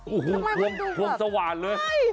โอ้โหความสะหวานเลย